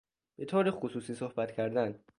به طور خصوصی صحبت کردن